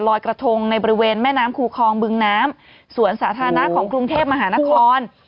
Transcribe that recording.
กระทงในบริเวณแม่น้ำคูคองบึงน้ำสวนสาธารณะของกรุงเทพมหานคร